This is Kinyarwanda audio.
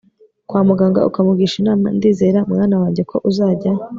kwa muganga ukamugisha inama. ndizera, mwana wange ko uzajya